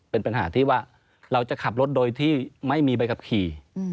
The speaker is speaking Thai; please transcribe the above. เป็นปัญหาที่ว่าเราจะขับรถโดยที่ไม่มีใบขับขี่